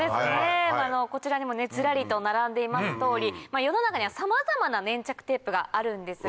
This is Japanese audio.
こちらにもずらりと並んでいます通り世の中にはさまざまな粘着テープがあるんですが。